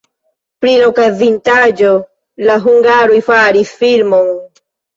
Pri la okazintaĵo la hungaroj faris filmon.